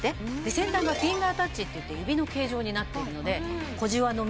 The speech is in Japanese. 先端がフィンガータッチっていって指の形状になっているので。